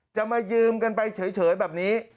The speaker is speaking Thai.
จะมายืมกันไปเฉยแบบนี้